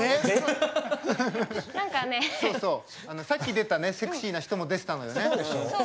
そうそうさっき出たねセクシーな人も出てたのよね。